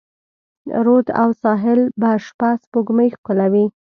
رود او ساحل به شپه، سپوږمۍ ښکلوي